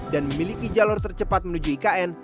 dan memiliki jalur tercepat menuju ikn